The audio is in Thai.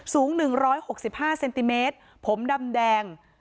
สูงหนึ่งร้อยหกสิบห้าเซนติเมตรผมดำแดง